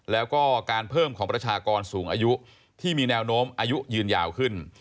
แล้วก็การเพิ่มของประชากรสูงอายุที่มีแนวโน้มอายุยืนยาวขึ้น